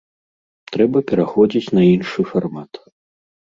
Трэба пераходзіць на іншы фармат.